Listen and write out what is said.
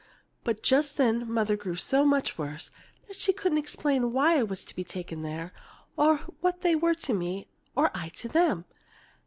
But just then Mother grew so much worse that she couldn't explain why I was to be taken there, or what they were to me or I to them.